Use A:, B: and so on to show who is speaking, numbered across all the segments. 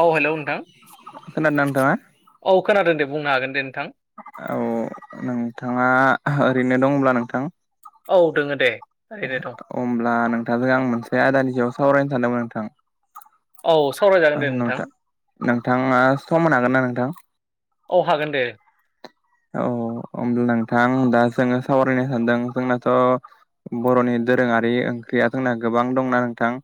A: औ हेलौ नोंथां
B: खोनादों ना नोंथाङा
A: औ खोनादों दे बुंनो हागोन दे नोंथां
B: औ नोंथाङा ओरैनो दंब्ला नोंथां?
A: औ दोङो दे। ओरैनो दं
B: अमब्ला नोंथांजों आं मोनसे आयदानिसायाव सावरायनो सानदोंमोन नोंथां
A: औ सावरायजागोन दे
B: नोंथां नोंथाङा सम हागोन ना नोंथां?
A: औ हागोन दे
B: औ ओम नोंथां दा जोङो सावरायनो सानदों जोंनाथ' बर'नि दोरोङारि ओंख्रिया जोंना गोबां दंना नोंथां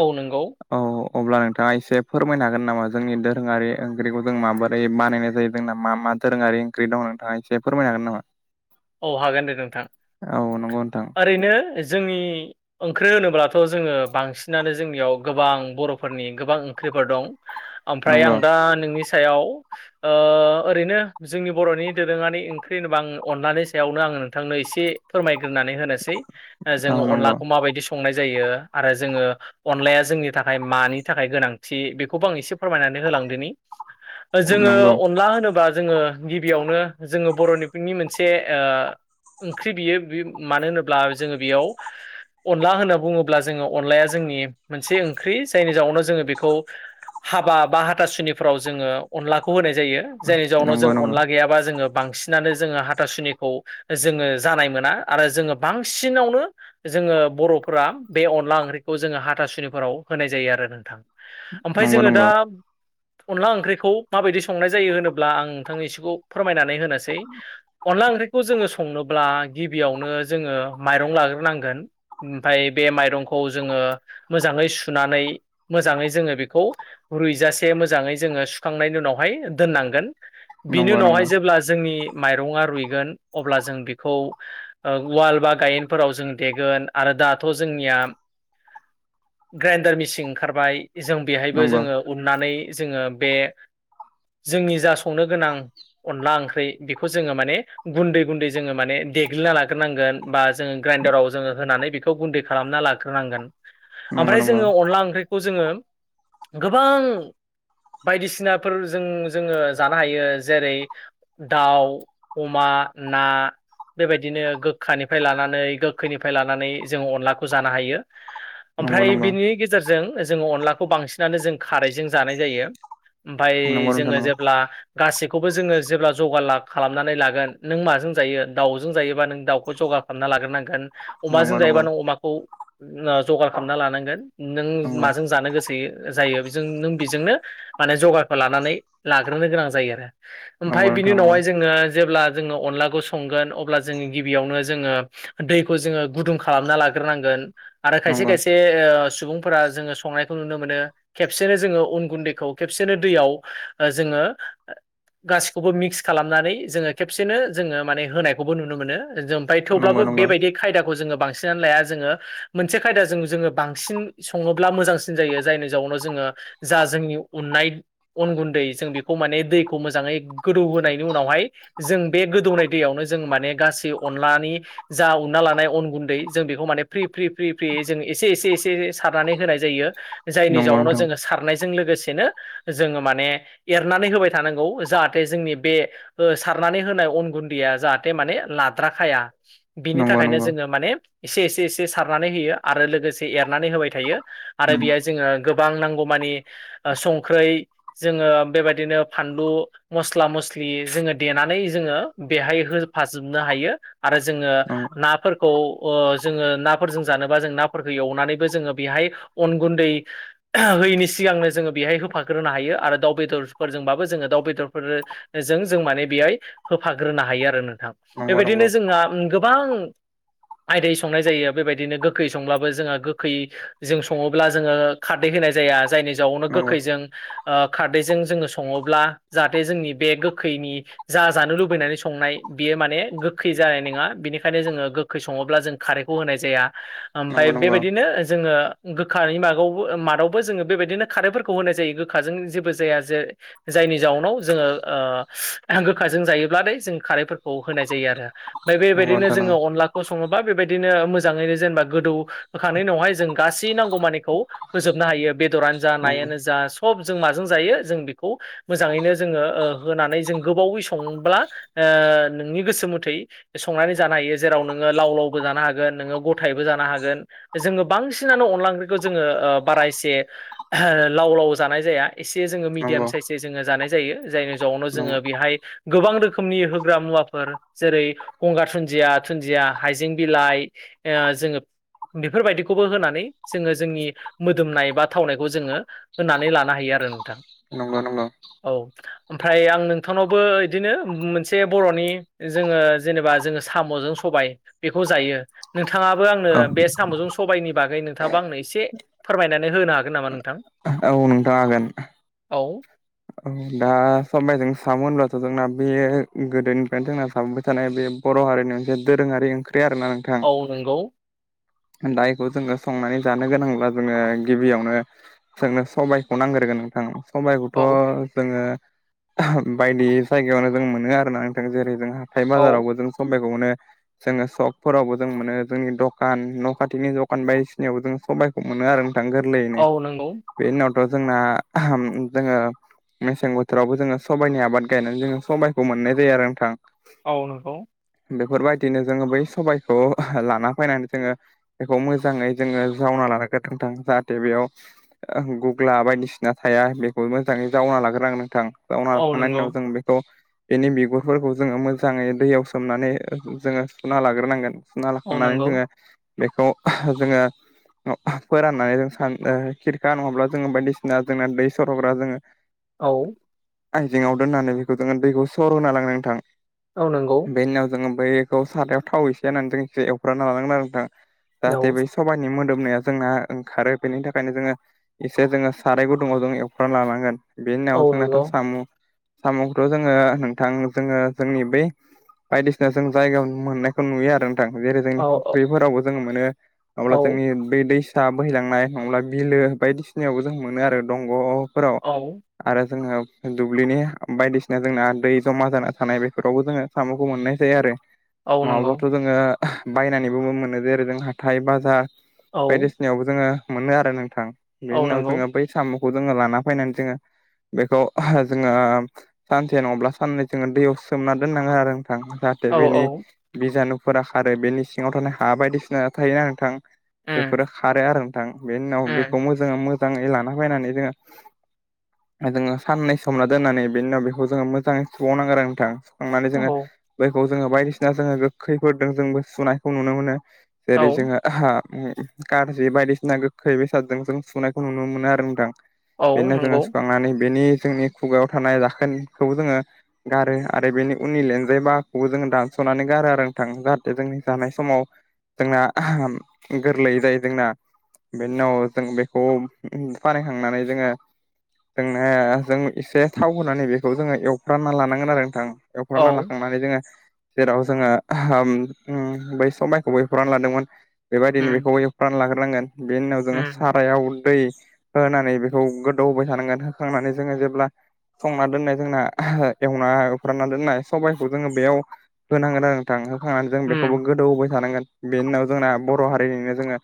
A: औ नोंगौ
B: औ अब्ला नोंथाङा इसे फोरमायनो हागोन नामा जोंनि दोरोङारि ओंख्रिखौ जों माबोरै बानायनाय जायो जोंना मा मा दोरोङारि ओंख्रि दं नोंथाङा इसे फोरमायनो हागोन नामा?
A: अ हागोन दे नोंथां
B: औ नंगौ नोंथां
A: ओरैनो जोंनि ओंख्रि होनोब्लाथ' जोङो बांसिनानो जोंनियाव गोबां बर'फोरनि गोबां ओंख्रिफोर दं।
B: [inaudible]
A: ओमफ्राय आं दा नोंनि सायाव ओ ओरैनो जोंनि बर'नि दोरोङारि ओंख्रि होनोबा आं अनलानि सायावनो आङो नोंथांनो इसे फोरमायग्रोनानै होनोसै
B: औ
A: जोङो
B: नंगौ
A: अनलाखौ माबायदि स संनाय जायो आरो जोङो अनलाया जोंनि थाखाय मानि थाखाय गोनांथि बेखौबो आं इसे फोरमायनानै होलांदोनि जोङो
B: नंगौ
A: अनला होनोबा जोङो गिबियावनो जोङो बर'निफिनि मोनसे ओ ओंख्रि बियो बि मानो होनोब्ला जोङो बियाव अनला होनना बुङोब्ला जोङो अनलाया जोंनि मोनसे ओंख्रि जायनि जाउनाव जोङो बेखौ हाबा बा हाथासुनिफोराव जोङो अनलाखौ होनाय जायो जायनि जाउनाव जों
B: नंगौ नंगौ
A: अनला गैयाबा जोङो बांसिनानो जोङो हाथासुनि खौ जोङो जानाय मोना आरो जोङो बांसिनावनो जोङो बर'फोरा बे अनला ओंख्रिखौ जोङो हाथासुनिफोराव होनाय जायो आरो नोंथां ओमफ्राय
B: नंगौ
A: जोङो दा
B: नंगौ
A: अनला ओंख्रिखौ माबायदि संनाय जायो होनोब्ला आं नोंथांनि सिखौ फोरमायनानै हो नोसै अनला ओंख्रि खौ जोङो संनोब्ला गिबियावनो जोङो माइरं लाग्रोनांगोन ओमफाय बे माइरंखौ जोङो मोजाङै सुनानै मोजाङै जोङो बेखौ रुइजासे मोजाङै जोङो सुखांनायनि उनावहाय दोननांगोन बिनि
B: नंगौ नंगौ
A: उनावहाय जेब्ला जोंनि माइरङा रुइगोन अब्ला जों बेखौ ओ उवाल बा गायेनफोराव जों देगोन आरो दाथ' जोंनिया ग्राइन्डार मेचिं ओंखारबाय जों बेहायबो
B: नंगौ
A: जोङो उननानै जोङो बे जोंनि जा संनो गोनां अनला ओंख्रै बेखौ जोङो माने गुन्दै गुन्दै जोङो माने देग्लिना लाग्रोनांगोन बा जोङो ग्राइन्डाराव जोङो होनानै बेखौ गुन्दै खालामना लाग्रोनांगोन
B: नंगौ
A: ओमफ्राय
B: नंगौ
A: जोङो अनला ओंख्रिखौ खौ जोङो गोबां बायदिसिनाफोर जों जोङो जानो हायो जेरै दाव बा ना बेबायदिनो गोखानिफ्राय लानानै गोखैनिफ्राय लानानै जोङो अनलाखौ जानो हायो।
B: नंगौ
A: ओमफ्राय
B: नंगौ
A: बिनि गेजेरजों जोङो अनलाखौ बांसिनानो जों खारैजों जानाय जायो। ओमफ्राय
B: नंगौ नोंथां
A: जोङो जेब्ला गासैखौबो जोङो जेब्ला जगार खालामनानै लागोन। नों माजों जायो दाउजों जायोबा नों दाउखौ जगार खालामना लाग्रोनांगोन। अमाजों
B: नंगौ
A: जायोबा
B: नंगौ
A: ओम नों अमाखौ जगार खालामना लानांगोन नों माजों जानो गोसो हो जायो बेजों नों बेजोंनो माने जगारखौ लानानै लाग्रोनो गोनां जायो। ओमफ्राय बिनि उनावहाय जोङो जेब्ला जोङो अनलाखौ संगोन अब्ला जोङो गिबियावनो जोङो। दैखौ जोङो गुदुं खालामना लाग्रोनांगोन आरो खायसे
B: नंगौ
A: खायसे सुबुं फोर जोङो संनायखौ नुनो मोनो। खेबसेनो जोङो उन गुन्दैखौ खेबसेनो दैयाव जोङो गासिखौबो मिक्स खालामनानै जा खेबसेनो जोङो माने होनायखौबो नुनो मोनो जों ओमफ्राय
B: नंगौ
A: थेवब्लाबो
B: नंगौ नोंथां
A: बे खायदाखौ जोङो बांसिन लाया जोङो। मोनसे खायदाजों जोङो बांसिन सङोब्ला मोजांसिन जायो जायनि जाउनाव जोङो। जा जोंनि उननाय अन गुन्दै जों बेखौ माने दैखौ मोजाङै गोदौ होनायनि उनावहाय। जों बे गोदौनाय दैयावनो जों माने गासै अनलानै जा उनना लानाय अन गुन्दै जों बेखौ माने फ्रि फ्रि फ्रि फ्रि जों एसे एसे एसे सारनानै होनाय जायो। जायनि जाउनाव जोङो सारनायजों लोगोसेनो जोङो माने एरनानै होबाय थानांगौ जाहाथे जोंनि बे सारनानै होनाय अन गुन्दैया जाहाथे माने लाद्राखाया बिनि
B: नंगौ
A: थाखायनो
B: नंगौ
A: जोङो माने एसे एसे एसे सारनानै होयो आरो लोगोसे एरनानै होबाय थायो आरो बेहाय जोङो गोबां नांगौमानि ओ संख्रै जोङो बेबायदिनो फानलु मस्ला मस्लि जोङो देनानै जोङो बेहाय होफाजोबनो हायो आरो जोङो ना फोरखौ ओ जोङो नाफोरजों जानोबा जों नाफोरखौ एवनानैबो जोङो बेहाय अन गुन्दै होयनि सिगांनो जोङो बेहाय होफाग्रोनो हायो आरो दाउ बेदरफोरजोंबाबो जोङो दाउ बेदरफोर। जों जों माने बेहाय होफाग्रोनो हायो आरो नोंथां बे
B: नंगौ
A: बादिनो जों हागौ गोबां आयदायै संनाय जायो बेबायदिनो गोखै संब्लाबो जोंहा गोखै जों सङोब्ला जोङो खारदै होनाय जाया जायनि जावनो गोखैजों खारदैजों जोङो सङोब्ला जाहाथे ओ जोंनि बे गोखैनि जा जानो लुबैनानै संनाय बियो माने गोखै जानाय नङा बेनिखायनो जोङो गो गोखै सङोब्ला जों खारैखौ होनाय जाया
B: नंगौ
A: ओमफ्राय
B: नंगौ नोंथां नंगौ
A: बे बायदिनो जोङो गोखानि मागावबो मादावबो जोङो बेबायदिनो खारैफोरखौ होनाय जायो गोखाजों जेबो जाया जे जायनि जाउनाव जोङो ओ गोखाजों जायोबब्लाथाय जों खारैफोरखौ होनाय जायो आरो ओमफ्राय बे बायदिनो
B: नोंथां नंगौ
A: जोङो अनला गसङोबा बेबायदिनो मोजाङैनो जेनेबा गोदौ होखांनायनि उनावहाय जों गासै नांगौ मानिखौ फोजोबनो हायो। बेदरनो जा
B: नंगौ नंगौ
A: नायानो जा सब जों माजों जायो जों बेखौ मोजाङैनो जोङो होनानै जों गोबावै संब्ला ओ नोंनि गोसो मथै संनानै जानो हायो जेराव नोङो लाव लावबो जानो हागोन नोङो गथायैबो जानो हागोन। जोङो बांसिनानो अनला ओख्रिखौ जोङो बारा एसे लाव लाव जानाय जाया एसे जोङो मिडियाम साइसै जोङो जानाय जायो जायनि जआवनो जोङो। बेहाय गोबां रोखोमनि होग्रा मुवाफोर जेरै गंगार दुुनन्धिया दुुनन्धिया हाइजें बिलाइ ओ जोङो बेफोरबायदिखौबो होनानै जोङो जोंनि मोदोमनाय बा थावनायखौ जोङो होननानै लानो हायो आरो नोंथां
B: नंगौ
A: औ ओमफ्राय आं नों थांनावबो इदिनो मोनसे बर'नि जोङो जेनेबा जोङो साम'जों सबाइ बेखौ जायो नोंथाङाबो आंनो
B: औ
A: बे साम'जों सबाइनि बागै नोंथाङाबो आंनो एसे फोरमायनानै होनो हागोन नामा नोंथां?
B: औ नोंथां हागोन।
A: औ
B: औ दा सबाइजों साम' होनब्लाथ' जोंना बेयो गोदोनिफ्रायनो जोंना जाबोबाय थानाय बे बर' हारिनि मोनसे दोरोङारि ओंख्रि आरोना नोंथां।
A: औ नंगौ
B: दा इखौ जोङो संनानै जानो गोनांब्ला जोङो गिबियावनो जोंनो सबाइखौ नांग्रोगोन नोंथां। सबाइखौथ'
A: औ
B: जोङो बायदि जायगायावनो जों मोनो आरोना नोंथां जेरै जोंहा हाथाय
A: औ
B: बाजारावबो जों समबाइखौ मोनो। जोङो सकफोरावबो जों मोनो जोंनि दखान न' खाथिनि दखान बायदिसिनायावबो जों सबाइखौ मोनो आरो नोंथां गोरलैयैनो
A: औ नंगौ
B: बे उनावथ' जोंना जोङो मेसें बोथोरावबो जोङो सबाइनि आबाद गायनानै जोङो सबाइखौ मोननाय जायो आरो नोंथां।
A: औ नंगौ।
B: बेफोरबायदिनो जोङो बै सबाइखौ लाना फायनानै जोङो बेखौ मोजाङै जोङो जावना लानो गोथांथां जाहाथे बेयाव ओ गुग्ला बायदिसिना थाया बेखौ मोजाङै जावना लाग्रोनांगोन नोंथां जावना
A: औ
B: लाखांनायनि
A: नंगौ
B: उनाव जों बेखौ बेनि बिगुरफोरखौ जोङो मोजाङै दैयाव सोमनानै जोङो सुना लाग्रोनांगोन। सुना
A: औ
B: लाखांनानै
A: नंगौ
B: जोङो बेखौ जोङो [unintelligible] फोराननानै जों सान ओ खिरखा नङाब्ला जोङो बायदिसिना जोंना दै सरग्रा जोङो
A: औ।
B: आइजेङाव दोननानै बेखौ जोङो दैखौ सर होना लागोन नोंथां।
A: औ नंगौ।
B: बे उनाव जोङो बैखौ सारायाव थाव एसे होननानै जों एवफ्रानना लानांगोन आरो नोंथां
A: औ
B: जाहाथे बे सबाइनि मोदोमनाया जोंना ओंखारो बेनि थाखायनो जोङो एसे जोङो साराय गुदुङाव जों एवफ्रामना लानांगोन बेनि
A: औ
B: उनाव जोंनाथ'
A: नंगौ
B: साम' सामखौथ' जोङो नोंथां जोङो जोंनि बे बायदिसिना जों जायगा मोननायखौ नुयो आरो नोंथां जेरै जोंनि
A: औ
B: फुख्रिफोरावबो जों मोनो
A: औ
B: अब्ला
A: औ
B: जोंनि बे दै नोंथां बोहैलांनाय नङाब्ला बिलो बायदिसिनायावबो जों मोनो आरो दंग'फोराव।
A: औ
B: आरो जोङो दुब्लिनि बायदिसिना जोंना दै जमा जाना थानाय बेफोरावबो जोङो साम'खौ मोननाय जायो आरो।
A: औ नंगौ
B: नङाब्लाथ' जोङो बायनानैबो मोनो जेरै जों हाथाय बाजार
A: औ
B: बायदि सिनायावबो जोङो मोनो आरो नोंथां बेनि
A: औ
B: उनाव
A: नंगौ
B: जोङो बै साम'खौ जोङो लाना फैनानै जोङो बेखौ जोङो सानसे नङाब्ला साननै जोङो दैयाव सोमना दोननांगोन आरो नोंथां। जाहाथे
A: औ औ
B: बिनि बिजानुफोरा खारो बेनि सिङाव थानाय हा बायदिसिना थायोना नोंथां।
A: उम
B: बेफोरो खारो आरो नोंथां बेनि उनाव
A: उम
B: बेखौ मोजाङै मोजाङै लाना फैनानै जोङो जोङो साननै सोमना दोननानै बेनि उनाव बेखौ जोङो मोजाङै सुखावनांगोन आरो नोंथां सुखांनानै
A: औ
B: जोङो बैखौ जोङो बायदिसिना जोङो गोखैफोरदों जोंबो सुनायखौ नुनो मोनो
A: औ
B: जेरै जोङो हा कारजि बायदिसिना गोखै बेसादजों जों सुनायखौ नुनो मोनो आरो नोंथां।
A: औ
B: बेनि उनाव जोङो
A: नंगौ
B: सुखांनानै बेनि जोंनि खुगायाव थानाय दाखोनखौ जोङो गारो आरो बेनि उननि लेनजाय बाहाखौबो जोङो दानसनानै गारो आरो नोंथां जाहाथे जोंनि जानाय समाव जोंना गोरलैयै जायो जोंना। बेनि उनाव जों बेखौ बानखांनानै जोङो जोंनो जों एसे थाव होनानै बेखौ जोङो एवफ्रानना लानांगोन आरो नोंथां
A: औ
B: एवफ्रानना लाखां माने जोङो जेराव जोङो [inaudible] बै समबायखौबो एवफ्रानना लादोंमोन। बेबायदिनो
A: उम
B: बेखौ एवफ्राननानै लाग्रोनांगोन बेनि उनाव जोङो
A: उम
B: सारायाव दै होनानै बेखौ गोदौ होबाय थानांगोन होखांनानै जोङो जेब्ला संना दोननाय जोंना एवना एफ्रानना दोननाय सबाइखौ जोङो बेयाव होनांगोन आरो नोंथां होखांनानै जों बेखौबो
A: उम
B: गोदौ हाबाय थानांगोन बेनि उनाव जोंना बर' हारिनिनो जोङो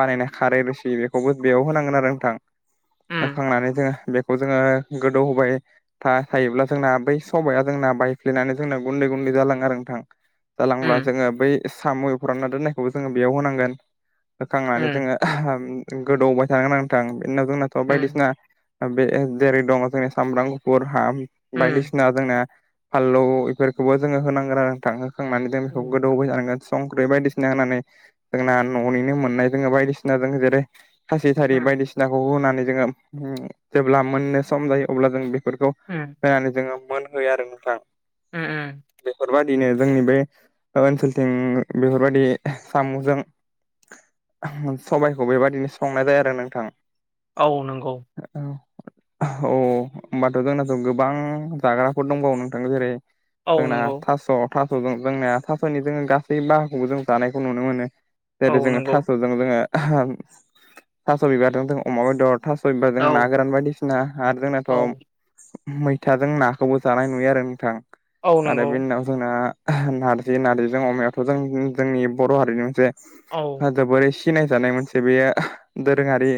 B: बानायनाय खारै रोसि बेखौबो बेयाव होनांगोन आरो नोंथां
A: उम
B: होखांनानै जोङो बेखौ जोङो गोदौ होबाय था-थायोब्ला जोंना बै सबाइया जोंना बायफ्लेनानै जोंना गुन्दै-गुन्दै जालाङो आरो नोंथां। जालांब्ला
A: उम
B: जोङो बै सामु फानना दोननायखौबो जोङो बेयाव होनांगोन
A: उम
B: होखांनानै जोङो [inaudible] गोदौहोबाय थानांगोन आर नोंथां बिनाव जोंनाथ'
A: उम
B: बायदिसिना ओ बे जेरै दङ' जों सामब्राम गुफुर हा
A: उम
B: बायदिसिना जोंना फालौ इफोरखौबो जोङो होनांगोन आरो नोंथां होखांनानै जों बेखौ
A: उम
B: गोदौहो थानांगोन संख्रि बायदिसिना होना होननानै जोंना न'निनो मोननाय जोङो बायदिसिना जो जेरै खासि थारि
A: उम
B: बायदिसिना नाखौ होनानै जोङो जेब्ला मोननो सम जायो अब्ला जों बेफोरखौ
A: उम।
B: होनानै जोङो मोनहोयो आरो नोंथां
A: उम
B: बेफोरबाय दिनो जोंनि बे ओनसोलथिं बेफोर बायदि सामजों सबाइखौ बेबायादिनो संनाय जायो आरो नोंथां।
A: औ नंगौ।
B: औ। [inaudible] अ होमबाथ' जोंनाथ' गोबां जाग्राफोर दंबावो नोंथां जेरै
A: औ
B: जोंना
A: नंगौ
B: थास' थास'जों जोंनाया थास'नि जोङो गासै बाहागोखौबो जों जानायखौ नुनो मोनो।
A: औ
B: जेरै जोङो
A: नंगौ
B: थास'जों जोङो थास' बिबारजों जों अमा बेदर थास' बिबार
A: औ
B: जों ना गोरान बायदिसिना आरो जोंनाथ'
A: औ
B: मैथाजों नाखौबो जानाय नुयो आरो नोंथां।
A: औ
B: आरो
A: नंगौ
B: बेनि उनाव जोंना नारजि नारजिजों अमायावथ' जों जोंनि बर' हारिनि मोनसे।
A: औ।
B: जोबोरै सिनायजानाय मोनसे बे दोरोङारि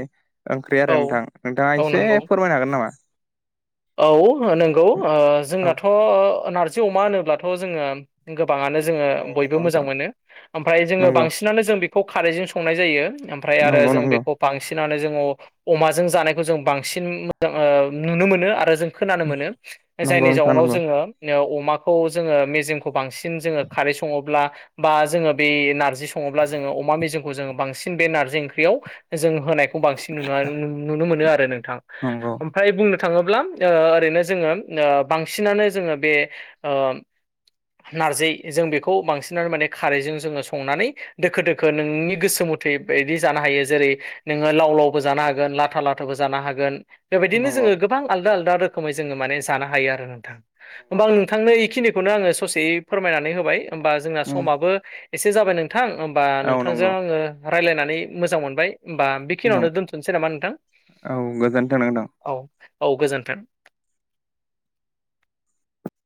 B: ओंख्रि
A: औ
B: आरो नोंथां। नोंथाङा
A: औ
B: एसे
A: नंगौ
B: फोरमायनो हागोन नामा?
A: औ नंगौ ओ
B: औ
A: जोंनाथ' नारजि अमा होनोब्लाथ' जोङो गोबाङानो जोङो
B: औ
A: बयबो
B: नंगौ
A: मोजां
B: नोंथां
A: मोनो ओमफ्राय जोङो
B: नंगौ
A: बांसिनानो जों बेखौ खारैजों संनाय जायो। ओमफ्राय आरो
B: नंगौ
A: जों
B: नंगौ
A: बेखौ बांसिनानो जोङो अमाजों जानायखौ जों बांसिन मो जों नुनो मोनो आरो जों खोनानो मोनो
B: नंगौ
A: जायनि
B: नोंथां
A: जाउनाव
B: नंगौ
A: जोङो अमाखौ जोङो मेजेमखौ बांसिन जोङो खारै सङोब्ला बा जोङो बे नारजि दि संङोब्ला जोङो अमा मेजेमखौ जों बांसिन बे नारजि ओंख्रियाव जों होनाय खौ बांसिन नुना नुनो मोनो आरो नोंथां
B: नंगौ
A: ओमफ्राय बुंनो थाङोब्ला ओ ओरैनो जोङो ओ बांसिनानो जोङो बे ओ नारजि जों बेखौ बांसिनानो माने खारैजों जोङो संनानै दोखो-दोखो नोंनि गोसो मुथै बायदि जानो हायो जेरै नोङो लाव-लावबो जानो हागोन लाथा-लाथा थाबो जानो हागोन। बेबायदिनो
B: नंगौ
A: जोङो गोबां आलदा-आलदा रोखोमै जोङो माने जानो हायो आरो नोंथां
B: नंगौ
A: होमबा आं नोंथांनो इखिनि खौनो आ ससेैयै फोरमायनानै होबाय होमबा जोंना समाबो एसे जाबाय नोंथां। बा
B: औ
A: नोंथांजों
B: नंगौ
A: आङो रायलायनानै मोजां मोनबाय। होमबा बेखिनियावनो दोनथ'सै नामा नोंथां।
B: औ गोजोनथों नोंथां
A: औ औ गोजोन्थों।